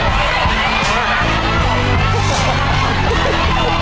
ถ้าเจอในค่ำแบบนี้ยังมีนะครับ